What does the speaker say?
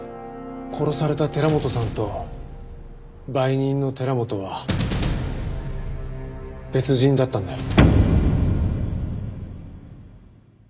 殺された寺本さんと売人の寺本は別人だったんだよ。